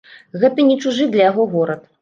Гэта не чужы для яго горад.